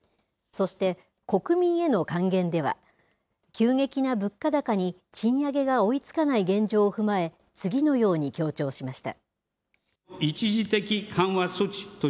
そして、国民への還元では、急激な物価高に賃上げが追いつかない現状を踏まえ、次のように強調しました。